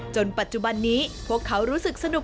จนปัจจุบันนี้พวกเขารู้สึกสนุก